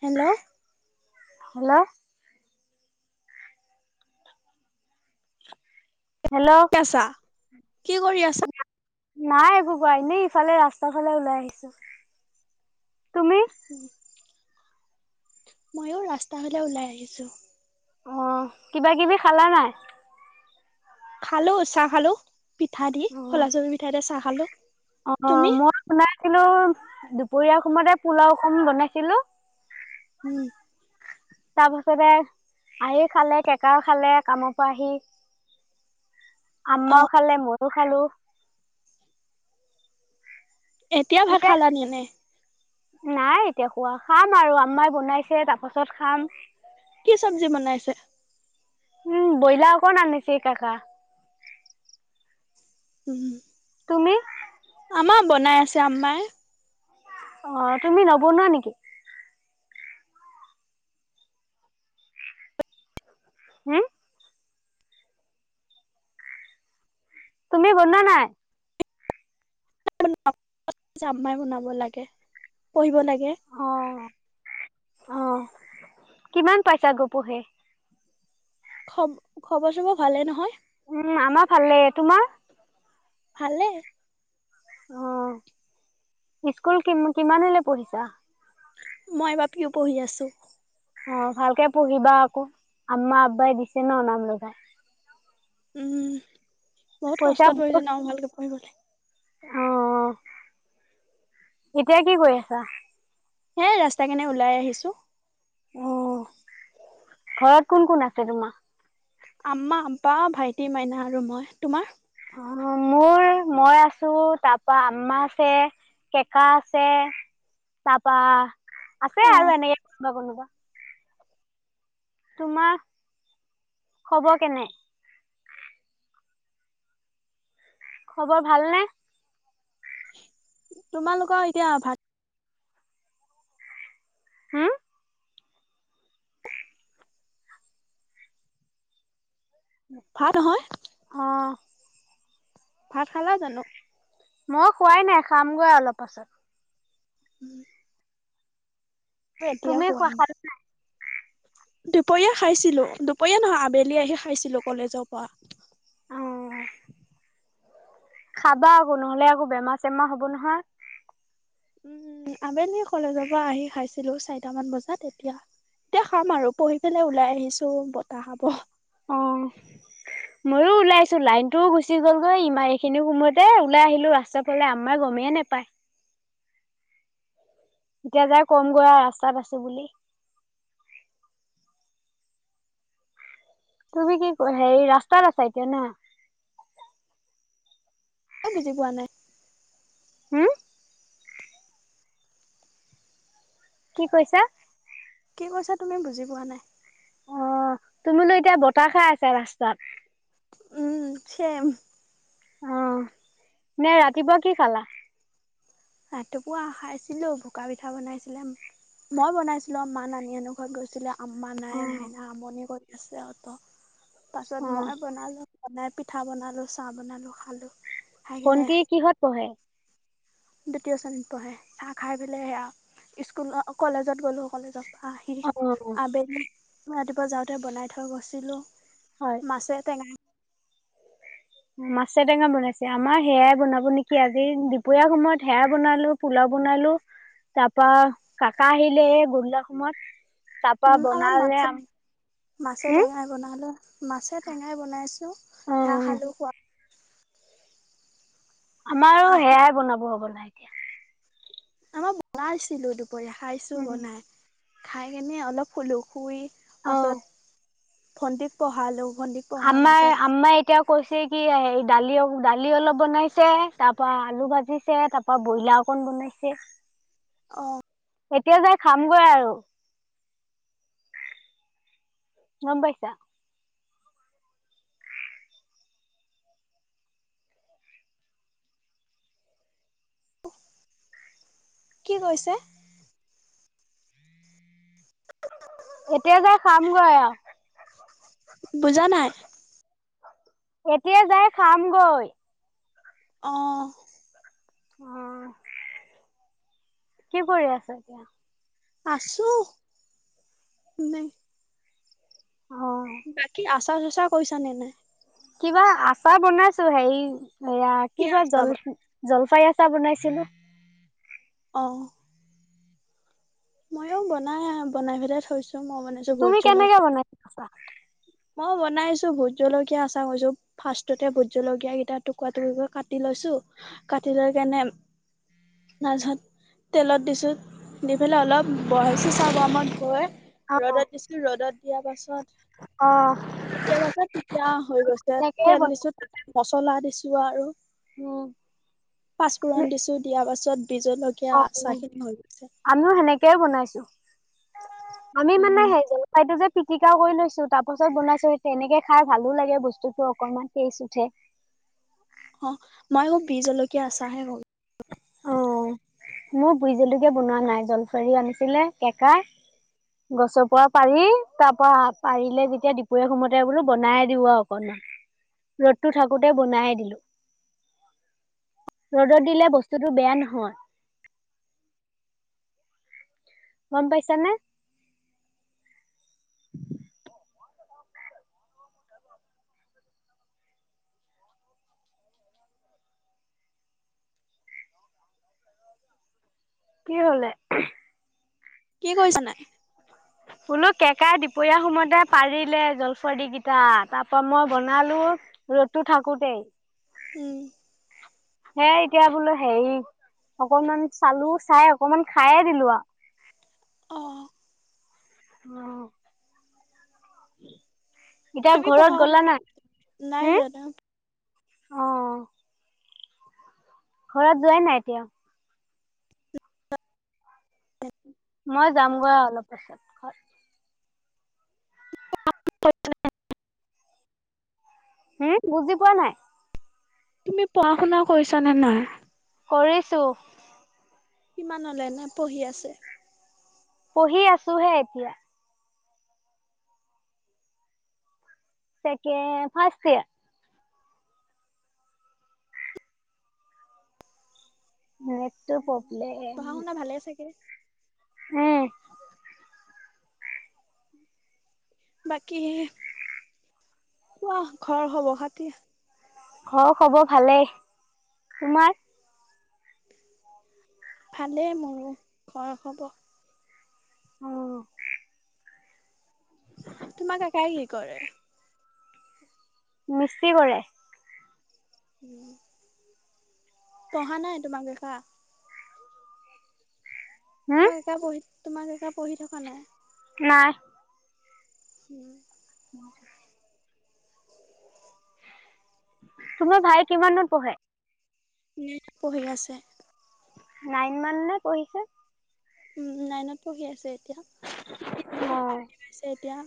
Hello hello, hello, কি আছা কি কৰি আছা? নাই একো কোৱানে ইফালে ৰাস্তা ফালে ওলাই আহিছো তুমি? উম, মইও ৰাস্তা হালে ওলাই আহিছো। অ, কিবা কিবি খালা নাই? খালো চাহ খালো। পিঠা দি অ খলা চাপৰি পিঠা এতিয়া চাহ খালো। অ, তুমি মই শুনাইছিলো দূপৰীয়া সময়তে পোলাও অকণমান বনাইছিলো। উম, তাৰ পাছতে আহি খালে কেকাৰ খালে কামৰ পৰা আহি। অ আম্মাও খালে মোৰ মইও খালো। এতিয়া ভাত খালা নি এনে? নাই এতিয়া খোৱা খাম আৰু আম্মাই বনাইছে তাৰপাছত খাম। কি চব্জি বনাইছে? উম বইলাৰ অকণ আনিছে কাকা। উম। তুমি আমাৰ বনাই আছে আম্মাই। অঁ তুমি নবনোৱা নেকি? হুম? তুমি বনোৱা নাই? [unintelligible] অম্মাই বনাব লাগে পঢ়িব লাগে। অঁ কিমান পইচাগৈ পহে? খ খবৰ চবৰ ভালে নহয়? উম আমাৰ ভাল লাগে, তোমাৰ? ভালে। অঁ, স্কুল কি কিমানলে পঢ়িছা? মই এইবাৰ পি ইউ পঢ়ি আছোঁ। অ ভালকে পঢ়িবা আকৌ, আম্মা আব্বাই দিছে ন নাম লগাই। উম। বহুত কষ্টত পঢ়িছোঁ ন ভালকে পঢ়িব লাগে। অঁ অঁ এতিয়া কি কৰি আছা? হে ৰাস্তা কেনে ওলাই আহিছো। অ, ঘৰত কোন-কোন আছে তোমাৰ? আম্মা, আম্পা, ভাইটি, মাইনা আৰু মই তোমাৰ? অ, মোৰ মই আছো তাৰপা আম্মা আছে, কেকা আছে তাৰপা আছে অ আৰু এনেকে কোনোবা-কোনোবা। তোমাৰ খবৰ কেনে? খবৰ ভালনে? তোমালোকৰ এতিয়া ভাত হা ভাতঁ নহয় অহ ভাত খালা জানো মই খোৱাই নাই খামগৈ অলপ পাছত উম [unintelligible] তুমি খোৱা খালা নাই দুপৰীয়া খাইছিলো দুপৰীয়া নহয় আবেলি আহি খাইছিলো কলেজৰ পৰা খাবা আকৌ নহলে আকৌ বেমাৰ চেমাৰ হ'ব নহয় উম আবেলি কলেজৰ পৰা আহি খাইছিলো চাৰিটামান বজাত এতিয়া এতিয়া খাম আৰু পঢ়ি পেলাই ওলাই আহিছো বতাহ খাব অ মইয়ো ওলাই আহিছো লাইনটোও গুচি গলগৈ ইনভাৰী এইখিনি সময়তে ওলাই আহিলো ৰাস্তাৰ ফালে আমাৰ এই গমেইে নোপায় এতিয়া যায় কম গৈ আৰু ৰাস্তা পাইছো বুলি তুমি কি হেৰি ৰাস্তাত আছা এতিয়া না এ বুজি পোৱা নাই হোম কি কৈছা কি কৈছা তুমি বুজি পোৱা নাই অ তুমিটো এতিয়া বতাহ খায় আছা ৰাস্তাত উম চেম অ নে ৰাতিপুৱা কি খালা ৰাতিপুৱা খাইছিলো পকা পিঠা বনাইছিলে মই বনাইছিলো মা নানী হেতৰ ঘৰত গৈছিলে আমা নাই অ' মাইনা আমনি কৰে আছেহঁত [unintelligible] পাছত অ' মই বনালো বনাই পিঠা বনালো চাহ বনালো খালো খাই কিনে ভন্তী কিহত পঢ়ে দ্বিতীয় শ্ৰেণীত পঢ়ে চাহ খাই পেলাই সেয়া স্কুল কলেজত গ'লো কলেজত পাহি অ' আবেলি ৰাতিপুৱা যাওঁতে বনাই থৈ গৈছিলোঁ হয়। মাছে টেঙাই মাছে টেঙা বনাইছে আমাৰ সেয়াই বনাব নেকি আজি দুপৰীয়া সময়ত সেয়াই বনালো পোলাও বনালো তাৰ পৰা কাকা আহিলে এই গধূলা সময়ত তাৰপা উম অলপ বনালে মাছে মাছে হম টেঙাই বনালো আৰু মাছে টেঙাই বনাইছে হেল্লো অ চাহঁ খালো কোৱা আমাৰো সেয়াই বনাব হ'ব লাগে আমাৰ বগা আছিলো দু খাইছো উম বনাই খাই কেনে অলপ হুলো শুই অ পাছত ভন্তি আমাৰ আমাই এতিয়াও কৈছে কি দালি অ দালি অলপ বনাইছে তাৰ পৰা আলু ভাজিছে তাৰ পৰা আহ এতিয়া যে খামগৈ আৰু গম পাইছা। কি কৈছে এতিয়া যাই খামগৈ আৰু বুজা নাই। এতিয়া যাই খামগৈ। অহঁ অহঁ আছো নাই অ বাকি আছ চঁচা চচা কৰিছা নে নাই কিবা আচাৰ বনাইছো হেৰি এয়া কি কিবা আচাৰ জল জলপাই আছে। চাহ বনাইছিলো আহ মইও বনাই বনাই পেলাই থৈছো। মই বনাইছো ভোট তুমি কেনেকে জলকীয়া বনাইছা মই বনাইছো ভোট জলকীয়া আচাৰ কৰিছো ফাৰ্ষ্টতে ভোট জলকীয়া কেইটা টুকুৰা টুকু কৰি কাটি লৈছো কাটি লৈ কেনে তছত তেলত দিছো দি পেল অলপ বাইছ চাহ গৰমত গৈ অ ৰদাত দিছো ৰদাত দিয়াৰ পাছত অ ইয়াৰ পাছত তেতিয়া হৈ গৈছে সেনেকেই তেল বনাইছো দিছো মচলা দিছো। যোৱা আৰু উম পাঁচফোৰণ দিছো দিয়াৰ পাছ অ আমিও সেনেকেই বনাইছো। আমি মানে উম সেইজলফাইটো যে পিটিকা কৰি লৈছো তাৰ পাছত বনাইছো এনেকে খাই ভালো লাগে বস্তুতটো অকনমান তেজ উঠে অ মইও বিজ জলকীয়া আচাহে কৰম অ মোৰ বুইজলুকে বনোৱা নাই জলফাৰী আনিছিলে কেকাই গছৰ পৰা পাৰি তাৰ পৰা পাৰিলে যেতিয়া দুপৰীয়া সোমতে বোলো বনাই দিওঁ আৰু অকনমান ৰ'দতটো থাকোতে বনাইে দিলো ৰ'দত দিলে বস্তুতটো বেয়া নহয়। ঘৰ গম পইচানে। কি হলে কি কৰিছ নাই বোলো কেকাই দুপৰীয়া সময়তে পাৰিলে জলফৰদি কিটা তাৰ পৰাা মই বনালো। ৰ'দটো থাকোতেই উম সে এতিয়া বোলো হেৰি অকনমান চালো চাই অকমান খাইে দিলো আৰু অহ, অ, ' [unintelligible] এতিয়া তুমি পঢ়া ঘৰত শুনা গলা নাই? নাই জানা হ'ম অহ, ঘৰত যোৱাই নাই এতিয়া? মই যামগৈ অলপ পাছত ঘৰ, [unintelligible] হম, বুজি পোৱা নাই? তুমি পঢ়া শুনা কৰিছানে নে নাই? কৰিছোঁ। কিমানলে এনে পঢ়ি আছে? পঢ়ি আছো হে এতিয়া। চেকেণ্ড ফাৰ্ষ্ট ইয়াৰ। [unintelligible] -টো প্ৰব্লেম, পঢ়া শুনা ভালে চাগে? হুম, বাকী কোৱা ঘৰ খবৰ - খাতী? ঘৰৰ খবৰ ভালেই তোমাৰ? ভালেই মোৰো, ঘৰ খবৰ। অ', তোমাৰ কাকাই কি কৰে? মিস্ত্ৰী কৰে। উম, পঢ়া নাই তোমাক দেখা? হুম, মই এতিয়া পঢ়িচো, তোমাক কাকাঁই পঢ়ি থকা নাই? নাই। উম, [unintelligible] তোমাৰ ভাই কিমানত পঢ়ে? নাইনত পঢ়ি আছে। নাইনমান নে পঢ়িছে? উম, নাইনত পঢ়ি আছে। সি টিউশ্যন পা অ', আহি পাইছে এতিয়া।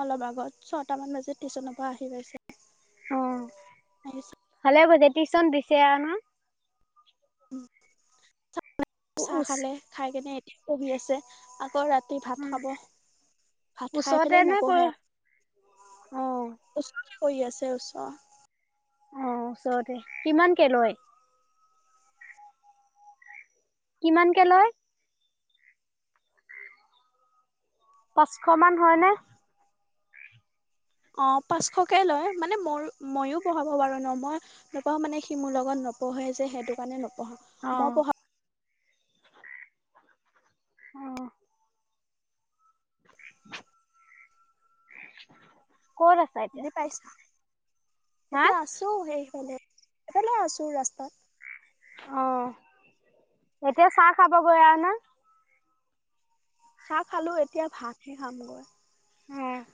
অলপ আগত ছয়টামান বাজি টিউশ্যনৰ পৰা আহি পাইছে। আহিছে। দে হব দে, টিউশন দিছে আৰু ন',? উম, চাহ উচ খালে খাই কেনে, পঢ়ি আছে আকৌ ৰাতি, ৰাতি ভাত উম, খাব, ভাত খাই ওচৰতে পেলাই নে নপঢ়ে পৰে? আক অ', শুই আছে ওচৰত। অ', ওচৰতে কিমানকে লয়? কিমানকে লয়? পাঁচশ মান হয়নে? অ, পাঁচশকে লয় মানে মোৰ মইও পঢ়াব পাৰো ন' মই নপঢ়াওঁ মানে সি মোৰ লগত নপঢ়ে যে সেইটো কাৰণে ন পঢ়া মই অ', পঢ়া অহ', [unintelligible] ক'ত আছা এতিয়া? বুজি পাইছা হা? এতিয়া আছো সেইফালে। এফালে আছো ৰাস্তাত। অ, এতিয়া চাহ খাব গৈ আ নে? চাহ খালোঁ এতিয়া ভাতে খামগৈ। হে [unintelligible]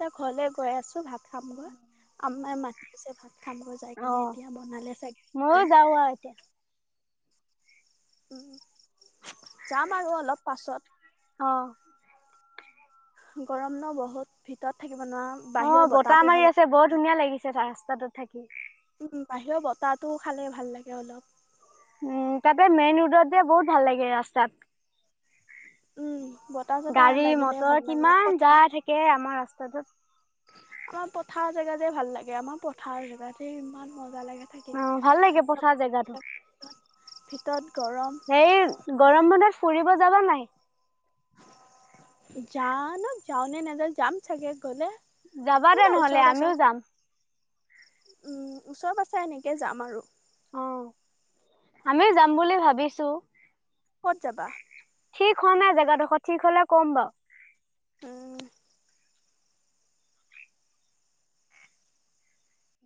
তে ঘৰলে গৈ আছো ভাত খাম গ আম মা মাই দেছে ভা খাব যাই কিনে অ', এতিয়া বনালে চাগে, ময়ো কন যাওঁ আৰু এতিয়া, উ উম। যাম আৰু অলপ পাছত। অ'। গৰম ন বহুত, ভিতৰত থাক অ বতাহ মাৰি আছে বৰ ধুনীয়া লাগিছে ৰাস্তাটোত। থাকি বাহিৰৰ বতাহটো খালে, ভাল লাগে অলপ। উম তাপা মেইনৰোডত যে, বহুত ভাল লাগে ৰাস্তাত। উ। গাড়ী মটৰ কিমান পথাৰ যায় থাকে, আমাৰ ৰাস্তাটোত। আমা পথাঅ জেগা তে ভাল লাগে, আমা পথাঅ জেগা যে ইমান ম মম ভাল লাগে পঠাঅ জেগাটো। ভিতৰত। গৰম হেই গৰম মানে ফুৰিব যাবা নাই? জাআনো, যাওনে নাযাও, যাম চাগে, গ'লে। যাবা দে নহলে, আমিও যাম। মম ওচ পাছঅ এনেকে যাম আৰু। অ, আমি যাম বুলি ভাবিছো। যাবা। ঠিক হোৱা নাই জেগাডখ, ঠিক হলে ক'ম বাও। উম